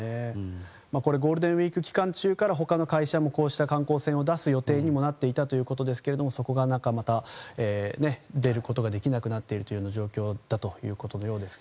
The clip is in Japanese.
ゴールデンウィーク期間中から他の会社もこうした観光船を出す予定にもなっていたということですがそこが出ることができなくなっている状況のようです。